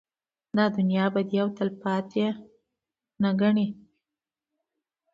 دا دنيا ابدي او تلپاتې نه گڼي